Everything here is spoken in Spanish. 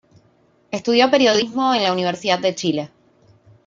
Estudió Periodismo en la Universidad de Chile.